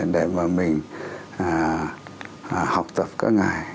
để mà mình học tập các ngài